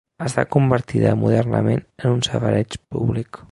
Ha estat convertida modernament en un safareig públic.